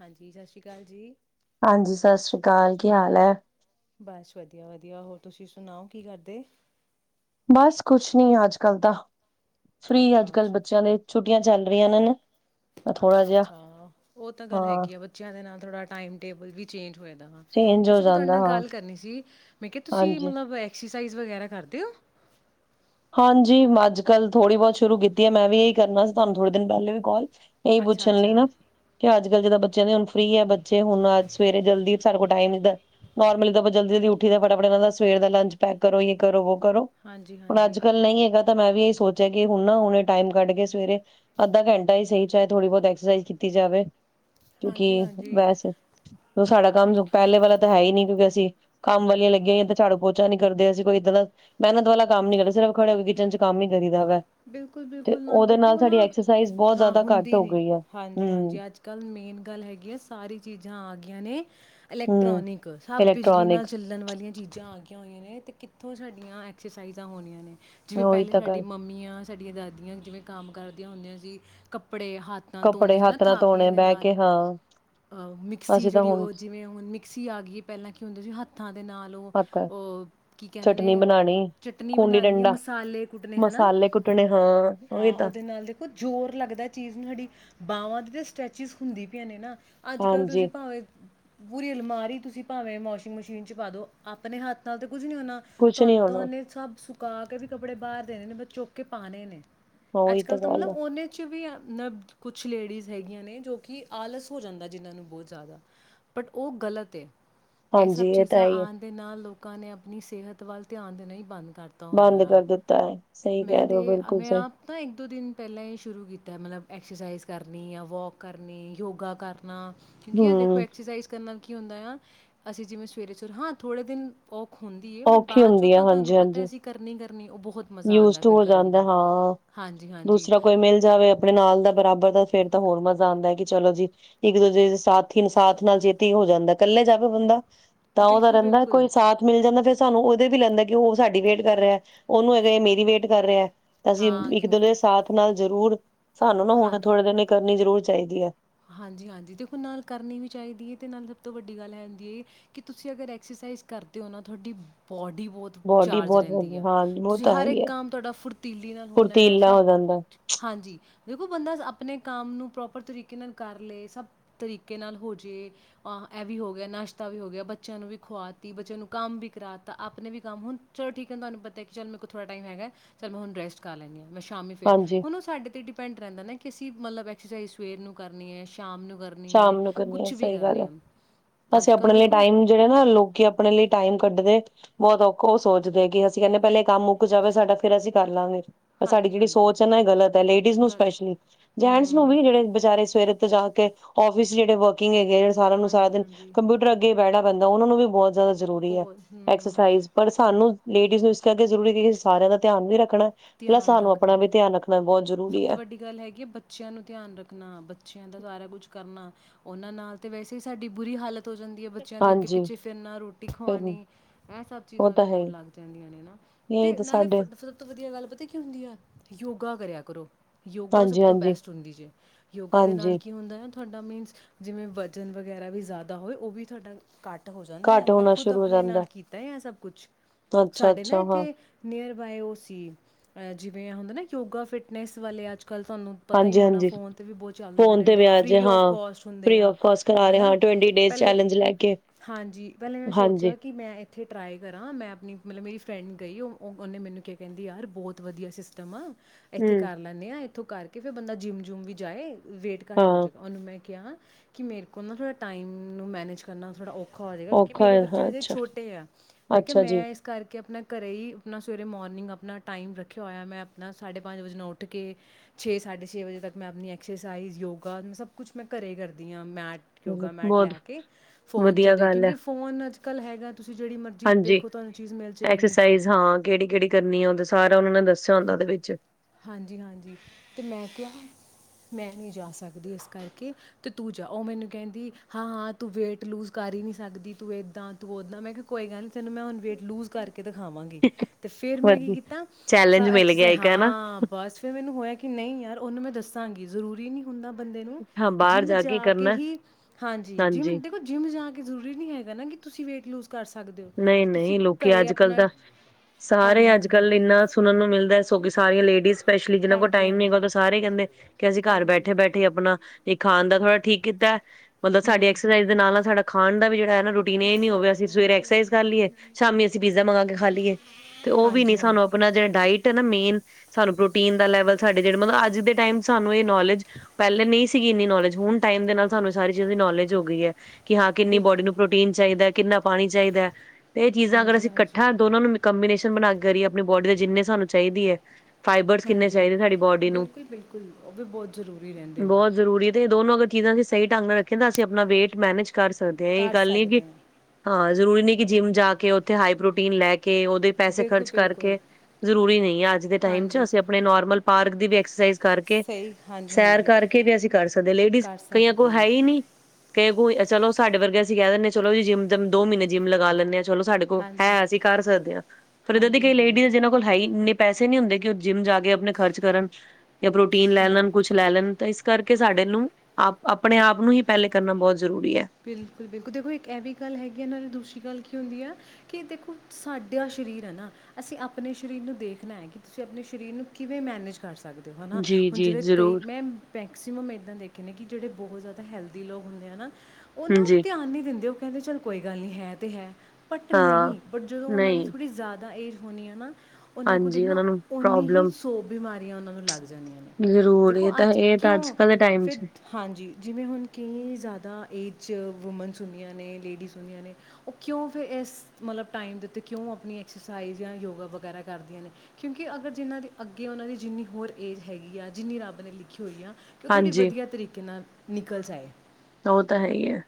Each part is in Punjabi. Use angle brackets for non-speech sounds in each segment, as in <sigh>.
ਹਾਂਜੀ ਸਤਿ ਸ੍ਰੀ ਅਕਾਲ ਜੀ ਹਾਂਜੀ ਸਤਿ ਸ੍ਰੀ ਅਕਾਲ ਕੀ ਹਾਲ ਹੈ ਬਸ ਵਧੀਆ ਵਧੀਆ ਹੋਰ ਤੁਸੀਂ ਸੁਣਾਓ ਕੀ ਕਰਦੇ ਬਸ ਕੁਛ ਨੀ ਆ ਅੱਜ ਕੱਲ ਤਾਂ ਫ੍ਰੀ ਅੱਜ ਅੱਛਾ ਕੱਲ੍ਹ ਅੱਛਾ ਬੱਚਿਆਂ ਨੇ ਛੁੱਟੀਆਂ ਚੱਲ ਰਹੀਆਂ ਇਹ ਅੱਛਾ ਅੱਛਾ ਉਹ ਤਾਂ ਗੱਲ ਹਾਂ ਹੈਗੀ ਆ ਬੱਚਿਆਂ ਦੇ ਨਾਲ ਥੋੜਾ ਟਮ ਟਬਲ ਵੀ ਚੇਂਜ ਹੋਏ ਦਾ ਚੇਂਜ ਮੈਂ ਹੋ ਸਗ ਤੁਹਾਡੇ ਜਾਂਦਾ ਨਾਲ ਹਾਂ ਗੱਲ ਕਰਨੀ ਸੀ ਮੈਂ ਕਿਹਾ ਤੁਸੀਂ ਹਾਂਜੀ ਮਤਲਬ <inaudible> <inaudible> ਵਗੈਰਾ ਕਰ ਦਿ ਹੋ ਹਾਂਜੀ ਅੱਜ ਕੱਲ੍ਹ ਥੋੜ੍ਹੀ ਬਹੁਤ ਸ਼ੁਰੂ ਕੀਤੀ ਹੈ ਮੈਂ ਵੀ ਇਹੀ ਕਰਨਾ ਸੀ ਤੁਹਾਨੂੰ ਥੋੜੇ ਦਿਨ ਪਹਿਲੇ ਵੀ ਕਾਲ ਇਹੀ ਅੱਛਾ ਪੁੱਛਣ ਲਈ ਅੱਛਾ ਨਾ ਕਿ ਅੱਜ ਕੱਲ ਜਿੱਦਾਂ ਬੱਚਿਆਂ ਦੇ ਹੁਣ ਫਰੀ ਹੈ ਅੱਛੇ ਹੁਣੱਜ ਸਵੇਰੇ ਜਲਦੀ ਸਾਡੇ ਕੋਲ ਟਾਈਮ ਨੋਰਮਲੀ ਤਾਂ ਆਪਾਂ ਜਲਦੀ ਜਲਦੀ ਉੱਠੀ ਦਾ ਫਟਾਫਟਾ ਦਾ ਸਵੇਰ ਦਾ ਲੰਚ ਪੈ ਕਰੋ ਯ ਕਰੋੋ ਹਾਂਜੀ ਹਾਂ ਹੁਣ ਅੱਜ ਕੱਲ ਨਹੀਂ ਹੈਗਾ ਤਾਂ ਮੈਂ ਵੀ ਇਹ ਸੋਚਿਆ ਕਿ ਹੁਣ ਨਾ ਹੁਣੇ ਟਾਈਮ ਕੱਢ ਕੇ ਸਵੇਰੇ ਅੱਧਾ ਘੰਟਾ ਹੀ ਸਹੀ ਚਾਹੇ ਥੋੜ੍ਹੀ ਬਹੁਤ ਐਕਸਰਸਾਈਜ਼ ਕੀਤੀ ਜਾਵੇ ਕਿਉਂਕਿ ਹਾਂਜੀ ਹਾਂਜੀ ਵੈਸ ਉਹ ਸਾਡਾ ਕੰਮ ਪਹਿਲੇ ਵਾਲਾ ਤਾਂ ਹੈ ਨੀ ਕਿਉਂਕਿ ਅਸੀਂ ਕੰਮ ਵਾਲੀਆਂ ਲੱਗੀਆਂ ਹੋਈਆਂ ਤੇ ਝਾੜੂ ਪੋਚਾ ਨੀ ਕਰਦੇ ਅਸੀ ਕੋਈ ਇੱਦਾ ਦਾ ਮਿਹਨਤ ਵਾਲਾ ਕੰਮ ਨੀ ਕਰਦਾ ਸਿਰਫ ਖੜ ਹੋ ਕਿਚਨ ਚ ਕੰਮ ਨੀ ਕਰੀਦਾ ਹੈਗਾ ਬਿਲਕੁਲ ਬਿਲਕੁਲ ਨਾਲ ਦੇਖੋ ਨਾ ਐਕਸਰਸਾਈਜ਼ ਬਹੁਤ ਹਾਂ ਜ਼ਿਆਦਾ ਘੱਟ ਹੁੰਦੀ ਹੋ ਨੀ ਗਈ ਹੈ ਹਾਂਜੀ ਹਮ ਹਾਂਜੀ ਅੱਜ ਕੱਲ ਮੇਨ ਗੱਲ ਹੈਗੀ ਆ ਸਾਰੀ ਚੀਜ਼ਾਂ ਆ ਗੀਆਂ ਨੇ ਹਮ ਇਲੈਕਟ੍ਰੋਨਿਕ ਸਭ ਬਿਜਲੀ ਨਾਲ ਇਲੈਕਟ੍ਰੋਨਿਕ ਚੱਲਣ ਵਾਲੀਆਂ ਚੀਜ਼ਾਂ ਆ ਗਈਆਂ ਹੋਈਆਂ ਨੇ ਅਤੇ ਕਿੱਥੋਂ ਸਾਡੀਆਂ ਐਕਸਰਸਾਈਜ਼ਾਂ ਹੋਣੀਆਂ ਨੇ ਜਿਵੇਂ ਉਹੀ ਪਹਿਲੇ ਤਾਂ ਸਾਡੀ ਗੱਲ ਮੰਮੀੀਆਂ ਸਾਡੀਆਂ ਦਾਦੀਆਂ ਜਿਵੇਂ ਕੰਮ ਕਰਦੀਆਂ ਹੁੰਦੀਆਂ ਸੀ ਕੱ ਕੱਪੜੇ ਹੱਥ ਨਾਲ ਕੱਪੜੇ ਧੋਣੇ ਹੈ ਨਾ ਹੱਥ ਨਾਲ ਧੋਣੇ ਥਾਪੀਆਂ ਦੇ ਬਹਿ ਕੇ ਨਾਲ ਹਾਂ ਮਿਕਸੀ ਅਸੀਂ ਤਾਂ ਜਿਹੜੀ ਹੁਣ ਉਹ ਜਿਵੇਂ ਹੁਣ ਮਿਕਸੀ ਆ ਗਈ ਪਹਿਲਾਂ ਕੀ ਹੁੰਦਾ ਸੀ ਹੱਥਾਂ ਦੇ ਨਾਲ ਲ ਹੱਥ ਉਹ ਕੀ ਕਹਿੰਦੇ ਚਟਨੀ ਨੇ ਬਣਾਉਣੀ ਚਟਨੀ ਕੂੰਡੀ ਬਣਾਉਣੀ ਆ ਡੰਡਾ ਮਸਾਲੇ ਕੁੱਟਣੇ ਹਨਾ ਮਸਾਲੇ ਕੁੱਟਣੇ ਹਾਂ ਉਹੀ ਹਾਂ ਤਾਂ ਉਹਦੇ ਨਾਲ ਦੇਖੋ ਜ਼ੋਰ ਲੱਗਦਾ ਚੀਜ਼ ਨੂੰ ਸਾਡੀ ਬਾਹਵਾਂ ਦੀ ਤਾਂ ਸਟੈਚਿਸ ਹੁੰਦੀ ਵੀ ਨੇ ਨਾ ਅੱਜ ਕੱਲ੍ਹ ਹਾਂਜੀ ਤੁਸੀਂ ਭਾਵੇਂ ਪੁਰੀ ਅਲਮਾਰੀ ਤੁਸੀਂ ਭਾਵੇਂ ਵਾਸ਼ਿੰਗ ਮਸ਼ੀਨ ਚ ਪਾ ਦੋ ਆਪਣੇ ਹੱਥ ਨਾਲ ਕੁੱਝ ਨੀ ਹੋਣਾ ਕੁਛ ਨੀ ਤੁਹਾਨੂੰ ਹੋਣਾ ਤੁਹਨੇ ਸਭ ਸੁਕਾ ਕੇ ਵੀ ਕੱਪੜੇ ਬਾਹਰ ਦੇ ਨੇ <inaudible> ਕੇ ਪਾਣੇ ਨੇ ਉਹੀ ਅੱਜ ਕੱਲ ਤਾਂ ਗੱਲ ਮਤਲਬ ਹੈ ਉਹੇ ਚ ਵੀ ਆ ਨ ਕੁਛ ਲੇਡੀਜ਼ ਹੈਗੀਆਂ ਨੇ ਜੋ ਕਿ ਆਲਸ ਹੋ ਜਾਂਦਾ ਜਿਨ੍ਹਾਂ ਨੂੰ ਬਹੁਤ ਜ਼ਿਆਦਾ ਬਟ ਉਹ ਗਲਤ ਹੈ ਇਹ ਹਾਂਜੀ ਸਭ ਤਾਂ ਹੈ ਚੀਜ਼ਾਂ ਹੀ ਹੈ ਆਉਣ ਦੇ ਨਾਲ ਲੋਕ ਲੋਕਾਂ ਨੇ ਆਪਣੀ ਸਿਹਤ ਵੱਲ ਧਿਆਨ ਦੇਣਾ ਹੀ ਬੰਨ ਬੰਦ ਕਰ ਦਿੱਤਾ ਹੈ ਸਹੀ ਮੈਂ ਕਹਿ ਰਹੇ ਹੋ ਤੇ ਬਿਲਕੁਲ ਮੈਂ ਸਹੀ ਆਪ ਨਾ ਇੱਕ ਦੋ ਦਿਨ ਪਹਿਲਾਂ ਹੀ ਸ਼ੁਰੂ ਕੀਤਾ ਮਤਲਬ ਐਕਸਰਸਾਈਜ਼ ਕਰਨੀ ਜਾਂ ਵੋਕ ਕਰਨੀ ਯੋਗਾ ਕਰ ਹਾਂ ਕਿਉਂਕਿ ਇਹ ਦੇਖੋ ਹਮ ਐਕਸਰਸਾਈਜ਼ ਕਰਨਾ ਕੀ ਹੁੰਦਾ ਆ ਅਸੀਂ ਜਿਵੇਂ ਸਵੇਰੇ ਸਵੇਰੇ ਹਾਂ ਥੋੜੇ ਦਿਨ ਉਹ ਹੁੰਦੀ ਏ ਬਟ ਔਖੀ ਬਾਅਦ ਚੋਂ ਹੁੰਦੀ ਆ ਤਾਂ ਤੁਹਾਨੂੰ ਹਾਂਜੀ ਪਤਾ ਹੈ ਹਾਂਜੀ ਅਸੀਂ ਕਰਨੀ ਗ ਉ ਬਹੁਤ ਮਜ਼ਾ ਯੂਜ ਆਉਂਦਾ ਟੂ ਹੋ ਜਾਂਦਾ ਹਾਂ ਹਾਂਜੀ, ਹਾਂਜੀ। ਦੂਸਰਾ ਕੋਈ ਮਿਲ ਜਾਵੇ ਆਪਣੇ ਨਾਲ ਦਾ ਬਰਾਬਰ ਦਾ ਫਿਰ ਫਿਰ ਤਾਂ ਹੋਰ ਮਜ਼ਾ ਆਉਂਦਾ ਹੈ ਕਿ ਚਲੋ ਜੀ ਇੱਕ ਦੂਜੇ ਦੇ ਸਾਥੀ ਸਾਥ ਨਾਲ ਚੇਤੀ ਹੋ ਜਾਂਦਾ ਇਕੱਲੇ ਜਾਵੇ ਬੰਦਾ ਤਾਂ ਉਹਦਾ ਬਿਲਕੁਲ, ਰਹਿੰਦਾ ਬਿਲਕੁਲ। ਕੋਈ ਸਾਥ ਮਿਲ ਜਾਂਦਾ ਫਿਰ ਸਾਨੂੰ ਉਹਦੇ ਵੀ ਲੈਂਦਾ ਕਿ ਉਹ ਸਾਡੀ ਵੇਟ ਕਰ ਰਿਹਾ ਉਹਨੂੰ ਹੈਗਾ ਮੇਰੀ ਵੇਟ ਕਰ ਰਿਹਾ ਤਾਂ ਅਸੀਂ ਹਾਂ ਇੱਕ ਕਿ ਦੂਜੇ ਮੈਨੂੰ ਸਾਥ ਨਾਲ ਜ਼ਰੂਰ <inaudible> ਸਾਨੂੰ ਨਾ ਹੁਣ ਥੋੜੇ ਦਿ ਨੇ ਜ਼ਰੂਰ ਚਾਹੀਦੀ ਹੈ ਹਾਂਜੀ ਹਾਂਜੀ ਦੇਖੋ ਨਾਲ ਕਰਨੀ ਵੀ ਚਾਹੀਦੀ ਹੈ ਤੇ ਨਾਲ ਸਭ ਤੋਂ ਵੱਡੀ ਗੱਲ ਹੈ ਹੁੰਦੀ ਕਿ ਤੁਸੀਂ ਅਗਰ ਐਕਸਰਸਾਈਜ਼ ਕਰਦੇ ਹੋ ਨਾ ਤੁਹਾਡੀ ਬੋਡੀ ਬਹੁਤ ਬੋਡੀ ਚਾਰਜ ਬਹੁਤ ਰਹਿੰਦੀ ਆ ਹਾਂ ਉਹ ਤੁਸੀਂ ਤਾਂ ਹੈ ਹਰ ਇੱਕ ਹੀ ਹੈ ਕੰਮ ਤੁਹਾਡਾ ਫੁਰਤੀਲੀ ਨਾਲ ਹੋਣਾ ਆ ਫੁਰਤੀਲਾ ਸਭ ਹੋ ਜਾਂਦਾ ਹਾਂਜੀ ਦੇਖੋ ਬੰਦਾ ਆਪਣੇ ਕੰਮ ਨੂੰ ਪ੍ਰੋਪਰ ਤਰੀਕੇ ਨਾਲ ਕਰ ਲਏ ਸਭ ਤਰੀਕੇ ਨਾਲ ਹੋ ਜਾਵੇ ਇਹ ਵੀ ਹੋ ਗਿਆ ਨਾਸ਼ਤਾ ਵੀ ਹੋ ਗਿਆ ਬੱਚਿਆਂ ਨੂੰ ਵੀ ਖਵਾ ਤੀ ਬੱਚਿਆਂ ਨੂੰ ਕੰਮ ਵੀ ਕਰਾ ਤਾ ਆਪਣੇ ਵੀ ਕੰਮ ਹੁਣ ਚਲੋ ਠੀਕ ਹੈ ਤੁਹਾਨੂੰ ਪਤਾ ਕਿ ਚੱਲ ਮੇਰੇਲ ਥੋੜ੍ਹਾ ਟਾਈਮ ਹੈਗਾ ਚੱਲ ਮੈਂ ਹੁਣ ਰੈਸਟ ਕਰ ਲੈਂਦੀ ਹਾਂ ਸ਼ਾਮੀ ਫੇਰ ਹਾਂਜੀ ਹੁਣ ਉਹ ਸਾਡੇ ਤੇ ਡਿਪੈਂਡ ਰਹਿੰਦਾ ਨਾ ਕਿ ਅਸੀਂ ਮਤਲਬ ਐਕਸਰਸਾਈਜ਼ ਸਵੇਰ ਨੂੰ ਕਰਨੀ ਹੈ ਸ਼ਾਮ ਨੂੰ ਕਰਨੀ ਹੈ ਸ਼ਾਮ ਨੂੰ ਕਰਨੀ ਆ ਕੁਝ ਵੀ ਸਹੀ ਗੱਲ ਕਰਨੀ ਹੈ ਅਸੀਂ ਅੱਜ ਕੱਲ ਆਪਣੇ ਲਈ ਦੇਖੋ ਟਾਈਮ ਜਿਹੜੇ ਨਾ ਲੋਕੀ ਆਪਣੇ ਲਈ ਟਾਈਮ ਕੱਢਦੇ ਬਹੁਤ ਔਖਾ ਉਹ ਸੋਚਦੇ ਆ ਕਿ ਅਸੀਂ ਕਹਿੰਦੇ ਪਹਿਲੇ ਕੰਮ ਮੁੱਕ ਜਾਵੇ ਸਾਡਾ ਫੇਰ ਅਸੀਂ ਕਰ ਲਵਾਂਗੇ ਪਰ ਸਾਡੀ ਹਾਂਜੀ ਜਿਹੜੀ ਹਾਂਜੀ ਸੋਚ ਹੈ ਨਾ ਇਹ ਗ਼ਲਤ ਹੈ ਲੇਡੀਜ਼ ਨੂੰ ਗੱਲ ਸਪੈਸ਼ਲੀ ਜੈਂਟਸ ਨੂੰ ਹੂੰ ਵੀ ਜਿਹੜੇ ਵਿਚੇਾਰੇ ਸਵੇਰੇ ਥ ਜਾ ਕੇ ਫਿਸ ਜਿੜੇ ਵਰਕਿੰਗ ਹੈਗੇ ਨ ਸਾਰ ਨੂੰ ਸਾਥ ਹਾਂਜੀ ਦੇਨ ਹਾਂਜੀ ਕੰਪਿਊਟਰ ਅੱਗੇ ਬੈਠਾ ਪੈਂਦਾ ਉਹਨਾਂ ਨੂੰ ਵੀ ਬਹੁਤ ਜ਼ਿਆਦਾ ਜ਼ਰੂਰੀ ਹੈ ਬਹੁਤ ਹੂੰ ਐਕਸਰਸਾਈਜ਼ ਪਰ ਸਾਨੂੰ ਲੇਡੀਜ਼ ਨੂੰ ਗੇ ਜ਼ਰੂਰੀ ਸਾਰਿਆਂ ਦਾ ਧਿਆਨ ਵੀ ਰੱਖ ਰੱਖਣਾ ਪਲ ਧਿਆਨ ਸਾਨੂੰ ਆਪਣਾ ਰੱਖਣਾ ਵੀ ਧਿਆਨ ਰੱਖਣਾ ਬਹੁਤ ਜ਼ਰ ਸਭ ਤੋਂ ਵੱਡੀ ਗੱਲ ਹੈਗੀ ਹੈ ਬੱਚਿਆਂ ਨੂੰ ਧਿਆਨ ਰੱਖਣਾ ਬੱਚਿਆਂ ਦਾ ਸਾਰਾ ਕੁੱਛ ਕਰ ਕਰਨਾ ਉਹਨਾਂ ਨਾਲ ਤੇ ਵੈਸੇ ਹੀ ਸਾਡੀ ਬੁਰੀ ਹਾਲਤ ਹੋ ਜਾਂਦੀ ਹੈ ਬੱਚਿਆਂ ਦੇ ਅੱਗੇ ਹਾਂਜੀ ਪਿੱਛੇ ਫਿਰਨਾ ਰੋਟੀ ਫਿਰ ਖਵਾਉਣੀ ਇਹ ਸਭ ਉਹ ਚੀਜ਼ਾਂ ਤਾਂ ਵੀ ਹੈ ਹੋਣ ਹੀ ਲੱਗ ਜਾਂਦੀਆਂ ਨੇ ਹਨ ਇਹੀ ਤੇ ਤਾਂ ਨਾਲੇ ਸਾਡੇ ਸਭ ਤੋਂ ਵਧੀਆ ਗੱਲ ਪਤਾ ਕੀ ਹੁੰਦੀ ਆ ਯੋਗਾ ਕਰਿਆ ਕੁੁਰੂ ਯੋਗਾ ਸਭ ਹਾਂਜੀ ਤੋਂ ਹਾਂਜੀ ਬੈਸਟ ਹੁੰਦੀ ਜੇ ਯੋਗਾ ਦੇ ਹਾਂਜੀ ਨਾਲ ਕੀ ਹੁੰਦਾ ਹੈ ਤੁਹਾਡਾ ਮੀਨਸ ਜਿਵੇਂ ਵਜ਼ਨ ਵਗੈਰਾ ਵੀ ਜ਼ਿਆਦਾ ਹੋਏ ਉਹ ਵੀ ਤੁਹਾਡਾ ਘੱਟ ਹੋ ਜਾਂਦਾ ਆ ਘੱਟ ਮੈਂ ਹੋਣਾ ਖੁਦ ਸ਼ੁਰੂ ਹੋ ਆਪਣੇ ਜਾਂਦਾ ਨਾਲ ਕੀਤਾ ਆ ਸਭ ਕੁਛ ਹੈ। ਅੱਛਾ ਸਾਡੇ ਅੱਛਾ ਨਾ ਹਾਂ ਇੱਥੇ ਨੀਅਰ ਬਾਏ ਉਹ ਸੀ ਜਿ ਹੁੰਦਾ ਨਾ ਯੋਗਾ ਫਿਟ ਫਿਨਸ ਵਾਲ ਆੱ ਅਜ ਕਲ ਤੁਹਾਨੂੰ ਪਤਾ ਹਾਂਜੀ ਹੋਣਾ ਹਾਂਜੀ ਫੋਨ ਤੇ ਵੀ ਬਹੁਹਤ ਚਲਦੇ ਪਏ ਫੋਨ ਨੇ ਤੇ ਜ ਵਿਆਹ ਜੇ ਫ੍ਰਰੀ ਹਾਂ ਆਫ ਕਸਟ ਹੁੰਦੇ ਫ੍ਰਰੀ ਆ ਆਫ ਕੋਸਟ ਕਰਾ ਰਹੇ ਹਨਾ ਹਾਂ ਟਵੰਟੀ ਡੇਜ਼ ਪਹਿਲੇ ਚੈਲੇਂਜ ਲੈ ਕੇ ਹਾਂਜੀ ਪਹਿਲੇ ਮੈਂ ਹਾਂਜੀ ਸੋਚਿਆ ਕਿ ਮੈਂ ਇਥੇ ਟ੍ਰਈ ਕਰਾਂ ਮੈਂ ਆਪਣੀ ਮਤਲਬ ਮੇਰੀ ਫਰੈਂਡ ਗਈ ਉਹ ਉਹਨੇ ਮੈਨੂੰ ਕ ਕਹਿੰਦੀ ਯਾਰ ਬਹੁਤ ਵਧੀਆ ਸਿਸਟਮ ਆ ਇੱਥੇ ਹਮ ਕਰ ਲੈਂਦੇ ਹਾਂ ਇੱਥੋਂ ਕਰਕੇ ਫਿਰ ਬੰਦਾ ਜਿੰਮ ਜੁਮ ਵੀ ਜਾਏ ਰੇਟ ਘੱਟ ਹੋ ਹਾਂ ਜਾਵੇਗਾ ਉਹਨੂੰ ਮੈਂ ਕਿ ਮੇਰੇ ਕੋਲ ਨਾ ਥੋੜ੍ਹਾ ਟਾਈਮ ਨੂੰ ਮੈਨੇਜ ਕਰਨਾ ਥੋੜ੍ਹਾ ਓ ਾ ਹੋ ਜਾਏਗਾ ਕਿਉਂਕਿ ਔਖਾ ਮੇਰੇ ਹੈ ਬੱਚੇ ਹਾਂ ਹਜੇ ਅੱਛਾ ਛੋਟੇ ਆ ਮੈਂ ਕਿਹਾ ਅੱਛਾ ਜੀ ਮੈਂ ਇਸ ਕਰਕੇ ਆਪਣਾ ਘਰੇ ਹੀ ਆਪਣਾ ਸਵੇਰੇ ਮੋਰਨਿੰਗ ਆਪਣਾ ਟਾਈਮ ਰੱਖਿਆ ਹੋਇਆ ਮੈਂ ਆਪਣਾ ਸਾਡੇ ਪੰਜ ਵਜੇ ਨਾਲ ਉੱਠ ਕੇ ਛੇ ਸਾਢੇ ਛੇ ਵਜੇ ਤੱਕ ਮੈਂ ਆਪਣੀ ਐਕਸਰਸਾਈਜ਼ ਯੋਗਾ ਮ ਸਭ ਕੁਛ ਮੈਂ ਘਰੇ ਕਰਦੀ ਹਾਂ ਮੈਟ ਯੋਗਾ ਮੈਟ ਬਹੁਤ ਲੈ ਫੋਨ ਚ ਵਧੀਆ ਦੇ ਗੱਲ ਹੈ ਕਿਂਕ ਫੋਨ ਅੱਜ ਕਲ ਹੈਗਾ ਤੁਸੀਂ ਜਿਹੜੀ ਮਰਜੀ ਹਾਂਜੀ ਦੇਖੋ ਤੁਹਾਨੂੰ ਚੀਜ਼ ਮਿਲ ਜਾਏਗੀ ਐਕਸਰਸਾਈਜ਼ ਹਾਂ ਕਿਹੜੀ ਕਿਹੜੀ ਕਰਨੀ ਆ ਉਹ ਸਾਰਾ ਉਹਨਾਂ ਨੇ ਦੱਸਿਆ ਹੁੰਦਾ ਉਹਦੇ ਵਿੱਚ ਹਾਂਜੀ ਹਾਂਜੀ ਤੇ ਮੈਂ ਕਿਹਾ ਮੈਂ ਨਹੀਂੀ ਜਾ ਸਕਦੀ ਇਸ ਕਰਕੇ ਤੇ ਤੂੰ ਜਾ ਉਹ ਮੈਨੂੰ ਕਹਿੰਦੀ ਹਾਂ ਹਾਂ ਤੂੰ ਵੇਟ ਲੂਜ ਕਰ ਹੀ ਨਹੀਂੀ ਸਕਦੀ ਤੂੰ ਏਦਾਂ ਤੂੰ ਓਦਾਂ ਮੈਂ ਕਿਹਾ ਕੋਈ ਗੱਲ ਨ ਤੈਨੂੰ ਮੈਂ ਹੁਣ ਵੇਟ ਲੂਜ ਕਰਕੇ ਕੇ ਦਿਖਾਵਾਂਗੀ ਤੇ ਫੇਿਰ ਮੈਂ ਕੀ ਵਧ ਕੀਤਾ ਚੈਲੇਂਜ ਮਿਲ ਗਿਆ ਐਕਸਾਈਜ਼ ਇੱਕ ਹਨਾ ਹਾਂ ਬਸ ਫਿਰ ਮੈਨੂੰ ਹੋਇਆ ਕਿ ਨਹੀਂ ਯਾਰ ਉਹਨੂੰ ਮੈਂ ਦੱਸਾਂਗੀ ਜ਼ਰੂਰੀ ਨੀ ਹੁੰਦਾ ਬੰਦੇ ਨੂੰ ਹਾਂ ਬਾਹਰ ਜਿੰਮ ਜਾ ਕੇ ਕਰਨਾ ਹੀ ਹਾਂਜੀ ਜਿੰਮ ਦੇਖੋ ਜਿੰਮ ਜਾ ਕੇ ਜ਼ਰੂ ਨ ਨਹੀਂ ਹੈਗਾ ਨਾ ਕਿ ਤੁਸੀਂ ਵੇਟ ਲੂਸ ਨਹੀਂ ਨਹੀਂ ਲੋਕੀ ਅੱਜ ਕੱਲ ਤਾਂ ਹਾਂਜੀ ਸਾਰੇ ਅੱਜ ਹਾਂਜੀ ਕੱਲ ਇੰਨਾ ਸੁਣਨ ਨੂੰ ਮਿਲਦਾ ਸ ਸਾਰੀਆਂ ਲੇਟ ਸਪੈਸ਼ਲੀ ਜਿਨਾਂ ਕੋਲ ਹਾਂਜੀ ਟਾਈਮ ਨੀ ਹਾਂਜੀ ਹੈਗਾ ਸਾਰੇ ਕਹਿੰਦੇ ਕਿ ਅਸੀਂ ਘਰ ਹਾਂਜੀ ਬੈਠੇ ਬੈਠੇ ਆਪਣਾ ਇਹ ਖਾਣ ਦਾ ਥੋੜ੍ਹਾ ਠੀਕ ਕੀਤਾ ਮਤਲਬ ਸਾਡੀ ਹੂੰ ਐਕਸਰਸਾਈਜ਼ ਦੇ ਨਾਲ ਸਾਡਾ ਖਾਣ ਦਾ ਵੀਿਹੜਾ ਹੈ ਰੂਟੀਨ ਇਹ ਨੀ ਹੋਵੇ ਅਸੀਂ ਸਵੇਰੇ ਇਸ ਗੱਲ ਲਈਏ ਸ਼ਾਮੀ ਅਸੀਂ ਪੀਜ਼ਾ ਮੰਗਵਾ ਕੇ ਖਾ ਲਈਏ ਤੇ ਉਹ ਵੀ ਨੀ ਹਾਂਜੀ ਸਾਨੂੰ ਹਾਂਜੀ ਆਪਣਾ ਜਿਹੜਾ ਡਾਇਟ ਹੈ ਨਾ ਮੇਨ ਸਾਨੂੰ ਪ੍ਰੋਟੀਨ ਦਾ ਲੈਵਲ ਸਾਡੇ ਜਿਹੜੇ ਮਤਲਬ ਅੱਜ ਦੇ ਟਾਈਮ ਚ ਸਾਨੂੰ ਇਹ ਨੌਲੇਜ ਪਹਿਲ ਨਹੀਂ ਸੀ ਇੰਨੀ ਨੌਲੇਜ ਹੁਣ ਟਾਈਮ ਦੇ ਨਾਲ ਸਾਨੂੰ ਸਾਰੀ ਚੀਜ਼ ਦੀ ਨੌਲੇਜ ਹੋ ਗਈ ਹੈ ਕਿ ਹਾਂ ਕਿੰਨੀ ਬਿਲ ਬੋਡੀ ਨੂੰ ਪ੍ਰੋਟੀਨ ਚਾਹੀਦਾ ਕਿੰਨਾ ਪਾਣੀ ਚਾਹੀਦਾ ਤੇ ਇਹ ਚੀਜ਼ਾਂ ਅਗਰ ਹਾਂਜੀ ਅਸੀਂ ਹਾਂਜੀ ਕੱਠਾਂ, ਦੋਨਾਂ ਨੂੰ ਕੰਬੀਨੇਸ਼ਨ ਬਣਾ ਕੇ ਕਰੀਏ, ਆਪਣੀ ਬੋਡੀ ਦੇ ਜਿੰਨੇ ਸਾਨੂੰ ਚਾਹੀਦੀ ਹੈ ਫਾਈਬਰਸ ਕਿੰਨੇ ਹਾਂਜੀ, ਚਾਹੀਦੇ ਸਾਡੀ ਬੋਡੀ ਨੂੰ ਬਿਲਕੁਲ-ਬਿਲਕੁਲ, ਉਹ ਵੀ ਬਹੁਤ ਜ਼ਰੂਰੀ ਰਹਿੰਦੇ ਹੈ। ਦੋਨੋ ਅਗਰ ਚੀਜ਼ਾਂ ਦੀ ਸਹੀ ਢੰਗ ਨਾਲ ਰੱਖੀਆਂ ਨਾ ਅਸੀ ਆਪਣਾ ਵੇਟ ਮੈਨੇਜ ਕਰ ਸਕਦੇ ਆ, ਇਹਹੀ ਕਰ ਗੱਲ ਨੀ ਹੈ ਕਿ ਸਕਦੇ ਹਾਂ ਹਾਂ ਜ਼ਰੂਰੀ ਨਹੀਂ, ਕਿ ਜਿੰਮ ਜਾ ਕੇ, ਉੱਥੇ ਹਾਈ ਪ੍ਰੋਟੀਨ ਲੈ ਕੇ, ਉਹਦੇ ਪੈਸੇ ਬਿਲਕੁਲ ਖਰਚ ਬਿਲਕੁਲ ਕਰਕੇ, ਜਰੂਰੀ ਨਹੀਂ ਆ ਅੱਜ ਦੇ ਟਾਈਮ ਚ, ਹਾਂਜੀ ਅਸੀਂ ਆਪਣੇ ਨੋਰਮਲ ਪਾਰਕ ਦੀ ਵੀ ਐਕਸਰਸਾਈਜ਼ ਕਰਕੇ, ਸਹੀ ਹਾਂਜੀ ਸੈਰ ਹਾਂਜੀ ਕਰਕੇ ਵੀ ਅਸੀਂ ਕਰ ਸਕਦੇ ਆ, ਲੇਡੀਜ਼ ਕਰ ਕਈਆਂ ਕੋਲ ਸਕਦੇ ਹਾਂ ਹੈ ਹੀ ਨਹੀਂ ਕਈ ਕੋਈ ਚਲੋ ਸਾਡੇ ਵਰਗੇ ਅਸੀਂ ਕੇਹ ਦੇਣੇ ਆ, ਚਲੋ ਜੀ ਜਿੰਮ। ਦੋ ਮਹੀੇਨੇ ਜਿੰਮ ਲਗਾ ਲੈਂਣੇ ਆ। ਚਲੋ ਸਾਡੇ ਕੋਲ ਹਾਂਜੀ ਹੈ, ਅਸੀਂ ਕਰ ਸਕਦੇ ਹਾਂ, ਪਰ ਏਦਾਂ ਦੀ ਹਾਂਜੀ ਕਈ ਹਾਂਜੀ ਲੇਡੀਜ਼ ਜਿਹਨਾਂ ਕੋਲ ਹੈ ਹੀ ਨੀ ਪੈਸੇ ਨਹੀਂ ਹੁੰਦੇ, ਕਿ ਉਹ ਜਿੰਮ ਜਾ ਕੇ ਆਪਣੇ ਖਰਚ ਕਰਨ। ਜਾਂ ਪ੍ਰੋਟੀਨ ਲੈ ਲੈਣ, ਕੁਛ ਲੈ ਲੈਣ ਤਾਂ ਇਸ ਕਰਕੇ ਸਾਡੇ ਨੂੰ, ਆਪ ਆਪਣੇ ਆਪ ਨੂੰ ਹੀ ਪਹਿਲੇ ਕਰਨਾ ਬਹੁਤ ਜ਼ਰੂਰੀ ਹੈ। ਬਿਲਕੁਲ-ਬਿਲਕੁਲ, ਦੇਖੋ ਇੱਕ ਇਹ ਵੀ ਗੱਲ ਹੈਗੀਨਾਂ ਨਾਲੇ ਦੂਸਰੀ ਗੱਲ ਕੀ ਹੁੰਦੀ ਆ, ਕਿ ਦੇਖੋ ਸਾਡਾ ਸ਼ਰੀਰ ਹੈ ਨਾ, ਅਸੀਂ ਆਪਣੇ ਸ਼ਰੀਰ ਨੂੰ ਦੇਖਣਾ ਹੈ, ਕਿ ਤੁਸੀਂ ਆਪਣੇ ਸ਼ਰੀਰ ਨੂੰ ਕਿਵੇਂ ਮੈਨੇਜ ਕਰ ਸਕ ਸਕਦੇ ਹੋ ਹਨਾ, ਜੀ ਹੁਣ ਜੀ ਜਿਹੜੇ ਕਈ, ਜ਼ਰੂਰ ਮੈਂ ਮੈਕਸੀਮਮ ਇੱਦਾਂ ਦੇਖੇ ਨੇ ਕਿ ਜਿਹੜੇ ਬਹੁਤ ਜ਼ਿਆਦਾ ਹੈਲਦੀ ਲੋਗ ਹੁੰਦੇ ਆ ਹਨਾ ਉਹ ਨਾ ਜੀ ਧਿਆਨ ਨਹੀਂ ਦਿੰਦੇ ਉਹ ਕਹਿੰਦੇ ਚੱਲ ਕੋਈ ਗੱਲ ਨੀ, ਹੈ ਤੇ ਹੈ। ਬਟ ਹਾਂ ਨਹੀਂ, ਬਟ ਜਦੋਂ ਉਹਨਾਂ ਦੀ ਨਹੀਂ ਥੋੜ੍ਹੀ ਜ਼ਿਆਦਾ ਏਜ ਹੋਨੀ ਏ ਨਾ ਉਹਨਾਂ ਕੋਲ ਹਾਂਜੀ ਦੇਖਣਾ, ਨੂੰ ਓਹਨੀ ਹੀ ਪ੍ਰੋਬਲਮ ਸੋ ਬਿਮਾਰੀ ਬੀ ਉਹਨਾਂ ਨੂੰ ਲੱਗਦਾ ਜਾਂਦੀਆਂ, ਜ਼ਰੂਰ ਦੇਖੋ ਇਹ ਤਾਂ ਅੱਜ ਇਹ ਤਾਂ ਅੱਜ ਕਿਉਂ ਕੱਲ ਦੇ ਟਾਈਮ ਫਿਰ, ਚ ਹਾਂਜੀ ਜਿਵੇਂ ਹੁਣ ਕਈ ਜ਼ਿਆਦਾ ਈਦ ਚ ਵੂਮਨਸ ਹੁੰਦੀਆਂ ਨੇ, ਲੇਡੀਜ਼ ਹੁੰਦੀਆਂ ਨੇ, ਉਹ ਕਿਉਂ ਫਿਰ ਇਸ ਮਤਲਬ ਟਾਈਮ ਦੇ ਉੱਤੇ ਕਿਉਂ ਆਪਣੀ ਐਕਸਰਸਾਈਜ਼ ਜਾਂ ਯੋਗਾ ਵਗੈਰਾ ਕਰਦੀਆਂ ਨੇ? ਕਿਉਂਕਿ ਅਗਰ ਜਿਨਾਂ ਦੀ ਅੱਗੇ ਉਹਨਾਂ ਦੀ ਜਿੰਨੀ ਹੋਰ ਏਜ ਹੈਗੀ ਆ, ਜਿੰਨੀ ਰੱਬ ਨੇ ਲਿਖੀ ਹੋਈ ਆ ਕਿ ਉਹ ਥੋੜ੍ਹੀ ਹਾਂਜੀ ਵਧੀਆ ਤਰੀਕੇ ਨਾਲ ਨਿਕਲ ਜਾਏ। ਉਹ ਤਾਂ ਹੈ ਹੀ ਹੈ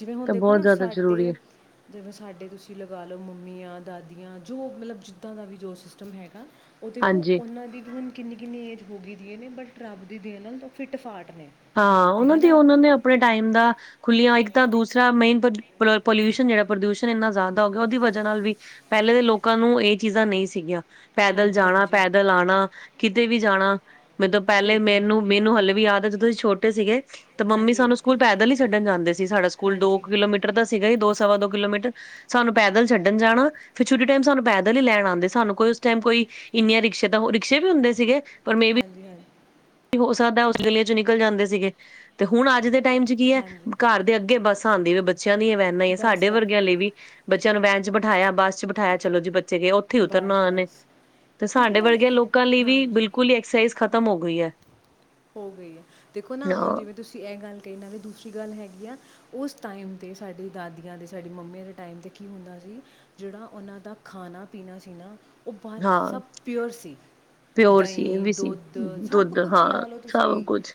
ਜਿਵੇਂ ਹੁਣ ਤਾਂ ਦੇਖੋ ਬਹੁਤ ਨਾ ਜ਼ਿਆਦਾ ਜ਼ਰੂਰੀ ਹੈ। ਸਾਡੇ, ਜਿਵੇਂ ਸਾਡੇ ਤੁਸੀਂ ਲਗਾ ਲਓ ਮੰਮੀਆਂ ਦਾਦੀਆਂ, ਜੋ ਮਤਲਬ ਜਿੱਦਾਂ ਦਾ ਵੀ ਜੋ ਸਿਸਟਮ ਹੈਗਾ ਉਹ ਦੇਖੋ ਹਾਂਜੀ, ਉਹਨਾਂ ਦੀ ਹੁਣ ਕਿੰਨੀ-ਕਿੰਨੀ ਏਜ ਹੋ ਗਈ। ਨੇ ਬਟ ਰੱਬ ਦੀ ਦੇਣ ਫਿੱਟ ਫਾਟ ਨੇ ਹਾਂ ਤੇ ਉਹਨਾਂ ਹੈ ਦੀ ਨਾ ਉਹਨਾਂ ਨੇ ਆਪਣੇ ਟਾਈਮ ਦਾ ਖੁੱਲੀਆਂ ਇੱਕ ਤਾਂ ਦੂਸਰਾ ਮੇਨ ਪੋਲਿਊਸ਼ਨ ਜਿਹੜਾ ਪ੍ਰਦਿਊਸ਼ਨ ਇੰਨਾ ਜ਼ਿਆਦਾ ਹੋ ਗਿਆ ਉਹਦੀ ਵਜ੍ਹਾ ਨਾਲ ਵੀ ਪਹਿਲੇ ਦੇ ਲੋਕਾਂ ਨੂੰ ਇਹ ਚੀਜ਼ਾਂ ਨਹੀਂ ਸੀਗੀਆਂ ਪੈਦਲ ਹਾਂਜੀ ਜਾਣਾ ਹਾਂਜੀ ਪੈਦਲ ਆਣਾ ਕਿਤੇ ਵੀ ਜਾਣਾ ਮੈਨ ਤੋਂ ਪਹਿਲੇ ਬਿਲਕੁਲ ਮਨੂੰ ਮੈਨੂੰ ਹਲੇ ਵੀ ਯਾਦ ਹੈ ਜਦੋਂ ਛੋਟੇ ਸੀਗੇ ਤੇ ਮੰਮੀ ਹਾਂਜੀ ਸਾਨੂੰ ਸਕੂਲ ਪੈਦਲ ਹੀ ਛੱਡਣ ਜਾਂਦੇ ਸੀ ਸਾਡਾ ਸਕੂਲ ਦੋ ਹਾਂਜੀ ਹਾਂਜੀ ਕੁ ਕਿਲੋਮੀਟਰ ਦਾ ਸੀਗਾ ਹੀ ਦੋ ਸਵਾ ਦੋ ਕਿਲੋਮੀਟਰ ਸਾਨੂੰ ਪੈਦਲ ਛੱਣ ਜਾਣਾ ਫਿਰ ਛੋਟੀ ਟਾਈਮ ਸਾਨੂੰ ਪੈਦਲ ਹੀ ਲੈਣ ਆਉਂਦੇ ਸਾਨੂੰ ਕੋਈ ਉਸ ਟਾਈਮ ਕੋਈ ਇੰਨੀਆਂ ਰਿਕਸ਼ੇ ਤਾਂ ਰਿਕਸ਼ੇ ਵੀ ਹੁੰਦੇ ਸੀਗੇ ਪਰ ਮੇ ਹਾਂਜੀ ਹਾਂਜੀ ਹੋ ਸਕਦਾ ਉਸ ਗਲ ਚ ਨਿਕਲ ਜਾਂਦੇ ਸੀਗੇ ਤੇ ਹੁਣ ਅੱਜ ਦੇ ਟਾਈਮ ਚ ਕੀ ਹੈ ਹਾਂਜੀ ਘਰ ਦੇ ਅੱਗੇ ਬੱਸ ਆਉਂਦੇ ਬੱਚਿਆਂ ਦੀਆਂ ਵਹਿਨਾ ਹੀ ਹੈ ਬਸ ਸਾਡੇ ਬਸ ਵਰਗਿਆਂ ਲਈ ਵੀ ਬੱਚਿਆਂ ਨੂੰ ਵਹਿਣ ਚ ਬਿਠਾਇਆ ਬੱਸ ਚ ਬਠਾਇਆ ਚਲੋ ਜੀ ਬ ੇ ਉੱਥੇ ਬਸ ਉਤਰਨਾ ਉਹ ਨੇ ਬਸ ਤੇ ਕਿਉਂਕਿ ਸਾਡੇ ਨਾਲੇ ਵਰਗੇ ਲੋਕਾਂ ਲਈ ਵੀ ਹਾਂਜੀ ਬਿਲਕੁਲ ਹੀ ਐਕਸਰਸਾਈ ਖ਼ਤਮ ਹੋ ਗਈ ਹੈ ਹੋ ਗਈ ਹੈ ਦੇਖੋ ਨਾ ਹੁਣ ਹਾਂ ਜਿਵੇਂ ਤੁਸੀਂ ਇਹ ਗੱਲ ਕਈ ਨਾਲ ਵੀ ਦੂਸਰੀ ਗੱਲ ਹੈਗੀ ਆ ਉਸ ਟਾਈਮ 'ਤੇ ਸਾਡੀ ਦਾਦੀਆਂ ਦੇ ਸਾਡੀ ਮੰਮੀਆਂ ਦੇ ਟਾਈਮ 'ਤੇ ਕੀ ਹੁੰਦਾ ਸੀ ਜਿਹੜਾ ਉਹਨਾਂ ਦਾ ਖਾਣਾ ਪੀਣਾ ਸੀ ਨਾ ਉਹ ਬਾਹਰ ਹਾਂ ਸਭ ਪਿਓਰ ਸੀ ਪਿਓਰ ਸੀ ਇਹ ਦਹੀਂ ਵੀ ਸੀ ਦੁੱਧ ਸਭ ਦੁੱਧ ਕੁਛ ਹਾਂ ਲਾ ਲਓ ਸਭ ਤੁਸੀਂ ਕੁਛ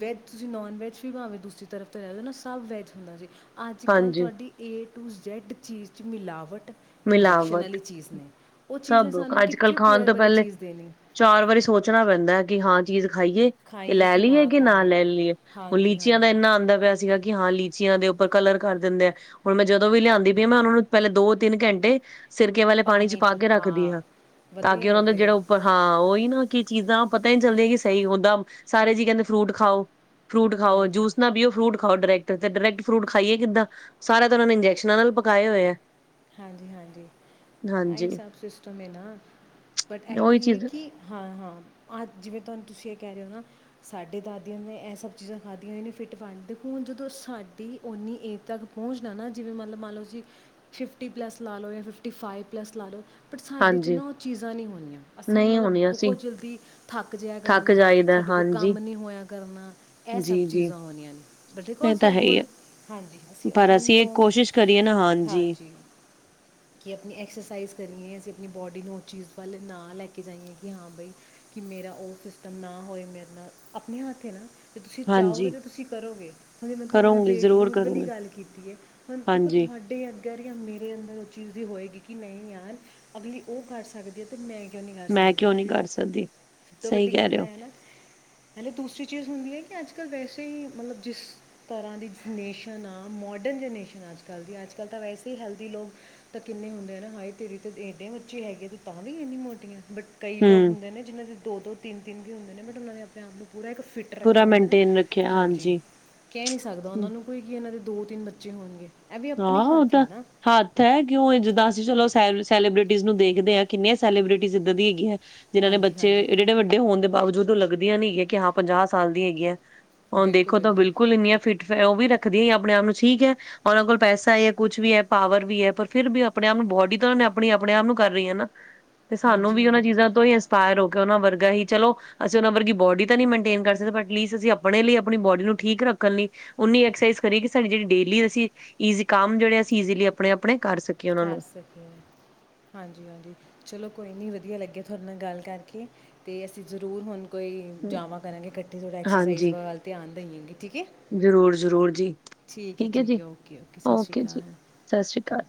ਵੈਜ ਤੁਸੀਂ ਨੋਨ ਵੈੱਜ ਵੀ ਬਣਾਵੇ ਦੂਸਰੀ ਤਰਫ ਲੈਓ ਨਾ ਸਬ ਵੈਜ ਹੁੰਦਾ ਸੀ ਅੱਜ ਕੱਲ੍ਹ ਹਾਂਜੀ ਤੁਹਾਡੀ ਏਟ ਟੂ ਜੈੱਡ ਚੀਜ਼ 'ਚ ਮਿਲਾਵਟ ਇੰਜੈਕਸ਼ਨ ਮਿਲਾਵਟ ਵਾਲੀ ਚੀਜ਼ ਨੇ ਉਹ ਚੀਜ਼ ਨੇ ਸਭ ਸਾਨੂੰ ਅੱਜ ਕੱਲ੍ਹ ਕਿੱਥੇ ਖਾਣ ਪਿਓਰ ਤੋਂ ਵਾਲੀ ਪਹਿਲੇ ਚੀਜ਼ ਦੇਣੀ ਚਾਰ ਵਾਰੀ ਸੋਚਣਾ ਪੈਂਦਾ ਹੈ ਹਾਂ ਚੀਜ਼ ਖਾਈਏ ਕਿ ਲੈ ਲਈਏ ਕਿ ਨਾ ਲੈ ਲਈਏ ਹੁਣ ਹਾਂਜੀ ਲੀਚੀਆਂ ਦਾ ਹਾਂਜੀ ਇੰਨਾ ਆਉਂਦਾ ਪਿਆ ਸੀਗਾ ਕਿ ਕਿ ਹਾਂ ਲੀਚੀਆਂ ਦੇ ਉੱਪਰ ਕਲਰ ਕਰ ਦਿੰਦੇ ਆ ਹੁਣ ਮੈਂ ਜਦੋਂ ਵੀ ਲਿਆਂਦੀ ਪਈ ਆ ਮੈਂ ਉਹਨਾਂ ਨੂੰ ਪਹਿਲੇ ਦੋ ਤਿੰਨ ਘੰਟੇ ਸਿਰਕੇ ਵਾਲੇ ਪਾਣੀ ਚ ਪਾ ਕੇ ਰੱਖਦੀ ਹਾਂ ਤਾਂ ਕਿ ਵਧੀਆ ਉਹਨਾਂ ਦਾ ਕਰਦੇ ਜਿਹੜਾ ਹੋ ਉੱਪਰ ਹਾਂ ਉਹਹੀ ਨਾ ਕੀ ਚੀਜ਼ਾਂ ਪਤਾ ਨੀ ਚੱਲਦੀਆਂ ਕਿ ਸਹੀ ਹੁੰਦਾ ਸਾਰੇ ਜੀ ਕਹਿੰਦੇ ਫਰੂਟ ਖਾਓ ਫਰੂਟ ਹਾਂਜੀ ਖਾਓੂਸ ਨਾ ਬੀ ਫੂ ਖਾਓ ਡਰੇਕਟ ਤੇ ਡਾਇਰੈਕਟ ਫਰੂਟ ਖਾਈਏ ਕਿੱਦਾਂ ਸਾਰਾ ਤਾਂ ਉਹਨਾ ਨੇ ਇੰਜੈਕਸ਼ਨਾਂ ਨਾਲ ਪਕਾਏ ਹੋਏ ਹੈ ਹਾਂਜੀ ਹਾਂਜੀ ਆਹੀ ਸਭ ਸਿਸਟਮ ਹੈ ਨਾ ਬਟ ਉਹੀ ਇਹੀ ਹੈ ਚੀਜ਼ ਕਿ ਹਾਂ ਹਾਂ ਅ ਜਿਵੇਂ ਤੁਹਾਨੂੰ ਤੁਸੀਂ ਕਹਿ ਰਹੇ ਹੋ ਨਾ ਸਾਡੇ ਦਾਦੀਆਂ ਨੇ ਇਹ ਸਭ ਚੀਜ਼ਾਂ ਖਾਧੀਆਂ ਨੇ ਫਿੱਟ ਪਾ ਦੇਖੋ ਹੁਣ ਜਦੋਂ ਸਾਡੀ ਉਓਨੀ ਏਜ ਤੱਕ ਪਹੁੰਚਣਾ ਨਾ ਜਿਵੇਂ ਮਨਲਬ ਮੰਨ ਲਓ ਜੀ ਫਿਫਟੀ ਪਲੱਸ ਲਾ ਲਓ ਜਾਂ ਫਿਫਟੀ ਫਾਈਵ ਪਲੱਸ ਲਾ ਲਓ ਬਟ ਸਾਡੇ 'ਚ ਹਾਂਜੀ ਨਾ ਉਹ ਚੀਜ਼ਾਂ ਨਹੀਂ ਹੋਣੀਆਂ ਅਸੀਂ ਨਹੀਂ ਮਤਲਬ ਹੋਣੀ ਅਸੀਂ ਬਹੁਤ ਜਲਦੀ ਥੱਕ ਜਿਹਾ ਥੱਕ ਕਰਨਾ ਜਾਈਦਾ ਸਾਡੇ ਕੋਲ ਹਾਂਜੀ ਕੰਮ ਨਹੀਂ ਹੋਇਆ ਕਰਨਾ ਇਹ ਸਭ ਜੀ-ਜੀ, ਚੀਜ਼ਾਂ ਹੋਣੀਆਂ ਨੇ ਪਰ ਦੇਖੋ ਇਹ ਤਾਂ ਅਸੀਂ ਹੈ ਹੀ ਹੈ, ਹੁਣ ਹਾਂਜੀ ਅਸੀਂ ਪਰ ਹੁਣ ਇਹ ਤੋਂ ਕੋਸ਼ਿਸ਼ ਕਰੀਏ ਨਾ ਹਾਂਜੀ ਕਿ ਆਪਣੀ ਐਕਸਰਸਾਈਜ਼ ਕਰੀਏ ਅਸੀਂ ਆਪਣੀ ਬੋਡੀ ਨੂੰ ਉਹ ਚੀਜ਼ ਵੱਲ ਨਾ ਲੈ ਕੇ ਜਾਈਏ ਕਿ ਹਾਂ ਬਾਈ ਕਿ ਮੇਰਾ ਉਹ ਸਿਸਟਮ ਨਾ ਹੋਏ ਮੇਰੇ ਨਾਲ ਆਪਣੇ ਹੱਥ ਨਾ ਜੇ ਤੁਸੀਂ ਚਾਹੋਗੇ ਹਾਂਜੀ ਤਾਂ ਤੁਸੀਂ ਕਰੋਗੇ ਹੁਣ ਜਿਵੇਂ ਤੁਹਾਨੂੰ ਮੈਂ ਕਰੂੰਗੀ ਵੇਟ ਜ਼ਰੂਰ ਲੂਜ਼ ਵਾਲੀ ਕਰੂੰਗੀ, ਗੱਲ ਕੀਤੀ ਹੈ ਹੁਣ ਦੇਖੋ ਹਾਂਜੀ ਤੁਹਾਡੇ ਜਾਂ ਮੇਰੇ ਅੰਦਰ ਉਹ ਚੀਜ਼ ਹੋਏਗੀ ਕਿ ਨਹੀਂ ਯਾਰ ਅਗਲੀ ਉਹ ਕਰ ਸਕਦੀ ਹੈ ਤੇ ਮੈਂ ਕਿਉਂ ਨਹੀਂ ਕਰ ਮੈਂ ਸਕਦੀ ਕਿਉਂ ਨਹੀਂ ਕਰ ਸਕਦੀ, ਸਭ ਤੋਂ ਸਹੀ ਵੱਡੀ ਕਹਿ ਗੱਲ ਰਹੇ ਤਾਂ ਹੋ, ਹੈ ਨਾ ਹਨ ਦੂਸਰੀ ਚੀਜ਼ ਹੁੰਦੀ ਹੈ ਕਿ ਅੱਜੱਲ ਅੱਜ ਕੱਲ ਵੈਸੇ ਹੀ ਮਤਲਬ ਜਿਸ ਤਰ੍ਹਾਂ ਦੀ ਜਨਰੇਸ਼ਨ ਆ ਮੋਡਰਨ ਜਨਰੇਸ਼ਨ ਆ ਅੱਜ ਕੱਲ੍ਹ ਦੀ ਅੱਜ ਕੱਲ੍ਹ ਤਾਂ ਵੈਸੇ ਹੀ ਹੈਲਦੀ ਲੋਕ ਤਾਂ ਕਿੰਨੇ ਹੁੰਦੇ ਆ ਨਾ ਹਾਏ ਤੇਰੀ ਤਾਂ ਇਏਡੇ ਬੱਚੇ ਹੈਗੇ ਤਾਂ ਤਾਂ ਵੀ ਇੰਨੀ ਮੋਟੀਆਂ ਬਟ ਕਈ ਲੋਕ ਹੂੰ, ਹੁੰਦੇ ਨੇ ਜਿਨ੍ਹਾਂ ਦੇ ਦੋ ਦੋ ਤਿੰਨ ਤਿੰਨ ਵੀ ਹੁੰਦੇ ਨੇ, ਬਟ ਉਹਨਾਂ ਨੇ ਆਪਣੇ ਆਪ ਨੂੰ ਪੂਰਾ ਇੱਕ ਫਿੱਟ ਰੱਖਿਆ ਪੂਰਾ ਹੁੰਦਾ ਨਾ, ਮੇਨਟੇਨ ਰੱਖਿਆ ਹਾਂਜੀ ਕਹਿ ਨਹੀਂ ਸਕਦਾ ਉਹਨਾਂ ਹੂੰ, ਨੂੰ ਕੋਈ ਕੀ ਇਹਨਾਂ ਦੇ ਦੋ ਤਿੰਨ ਬੱਚੇ ਹੋਣਗੇ ਵੀ ਆਪਣੇ ਹਾਂ ਉਹ ਹੱਥ ਤਾਂ ਆ ਨਾ ਹੱਥ ਹੈ ਕਿਉਂ ਜਿੱਦਾਂ ਅਸੀਂ ਚਲੋ ਸੈਬ ਸੈਲੀਬ੍ਰਿਟੀਜ਼ ਨੂੰ ਦੇਖਦੇ ਆ ਕਿੰਨਿਆਂ ਸੈਲੀਬ੍ਰਟੀਜ਼ ਇੱਦਾਂ ਦੀਆਂ ਹੈਂਗੀਆ ਜਿਨ੍ਹਾਂ ਨੇ ਹਾਂਜੀ ਬੱਚੇ ਹਾਂਜੀ ਏਡੇ- ਏਡੇ ਵੱਡੇ ਹੋਣ ਦੇ ਬਾਵਜੂਦ ਲੱਗਦੀਆਂ ਨਹੀਂ ਹੈ ਕਿ ਹਾਂ ਪੰਜਾਹ ਸਾਲ ਦੀਆਂ ਹੈਗੀਆਂ ਹੁਣ ਦੇਖੋ ਤਾਂ ਬਿਲਕੁਲ ਇੰਨੀਆਂ ਫਿਟ, ਫਿਰ ਉਹ ਵੀ ਰੱਖ ਰੱਖਦੀ ਹੈ ਆਪਣੇ ਆਪ ਨੂੰ ਠੀਕ ਹੈ ਉਹਨਾਂ ਕੋਲ ਪੈਸਾ ਹੈ, ਕੁਛ ਵੀ ਹੈ, ਪਾਵਰ ਵੀ ਹੈ, ਪਰ ਫਿਰ ਵੀ ਆਪਣੇ ਆਪ ਨੂੰ ਬੋਡੀ ਤਾਂ ਉਹਨਾਂ ਨੇ ਅਪਣੀ ਅਪਣੇ ਆਪ ਨੂੰ ਕਰ ਰਹੀ ਹੈ ਨਾ ਤੇ ਸਾਨੂੰ ਹਾਂਜੀ ਵੀ ਉਹਨਾਂ ਹਾਂਜੀ ਚੀਜ਼ਾਂ ਤੋਂ ਹੀ ਇੰਸਪਾਇਰ ਹੋ ਉਹਨਾਂ ਵਰਗਾ ਹੀ ਚਲੋ ਅਸੀਂ, ਉਹਨਾਂ ਵਰਗੀ ਬੋਡੀ ਤਾਂ ਨੀ ਮੇਨਟੇਨ ਕਰ ਸਕਦੇ। ੲਟਲੀਸਟ ਅਸੀਂ ਅਪਣੇ ਲਈ ਅਪਣੀ ਬੋਡੀ ਨੂੰ ਠੀਕ ਰੱਖਣ ਲਈ ਔਨੀ ਐਕਸਰਸਾਈਜ਼ ਕਰੀਏ ਕਿ ਸਾਡੀ ਜਿਹੜੀ ਡੇਲੀ ਅਸੀਂ ਈਜ਼ੀ ਕੰਮ ਜਿਹੜੇ ਅਸੀਂ ਈਜ਼ੀਲੀ ਅਪਣੇ ਅਪਣੇ ਕਰ ਸਕੇ, ਹਾਂਜੀ ਹਾਂਜੀ। ਚਲੋ ਕੋਈ ਨੀ ਵਧੀਆ ਲੱਗ ਤੁਹਾਡੇ ਨਾਲ ਗੱਲ ਕਰਕੇ ਤੇ ਅਸੀ ਜ਼ਰੂਰ ਹੁਣ ਭਈ ਜਾਵਾਂ ਕਰਾਂਗੇ ਇਕੱਠੇ, ਥੋੜ੍ਹਾ ਐਕਸਰਸਾਈਜ਼ ਵ ਹਾਂਜੀ ਵੱਲ ਧਿਆਨ ਦੇਈਏਗੇ ਠੀਕ ਹੈ। ਜ਼ਰੂਰ ਜ਼ਰੂਰ ਜੀ ਠੀਕ ਹੈ, ਠੀਕ ਹੈ। ਓਕੇ ਓਕੇ ਸਤਿ ਸ਼੍ਰੀ ਜੀ ਅਕਾਲ ਸਤਿ ਸ਼੍ਰੀ ਅਕਾਲ